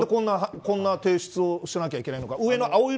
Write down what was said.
何で、こんな提出をしないといけないのか。